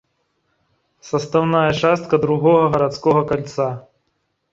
Састаўная частка другога гарадскога кальца.